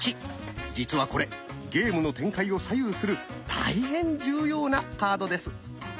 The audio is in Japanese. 実はこれゲームの展開を左右する大変重要なカードです。